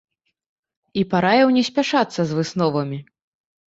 І параіў не спяшацца з высновамі.